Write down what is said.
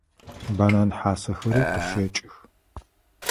Банан хьасэхэри къыщэкӏых.